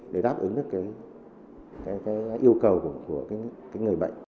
để đáp ứng được yêu cầu của người bệnh